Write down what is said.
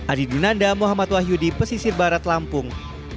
adi dunanda muhammad wahyudi pesisir barat lampung